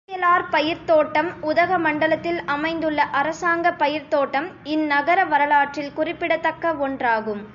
அரசியலார் பயிர்த் தோட்டம் உதகமண்டலத்தில் அமைந்துள்ள அரசாங்கப் பயிர்த் தோட்டம், இந் நகர வரலாற்றில் குறிப்பிடத்தக்க ஒன்றாகும்.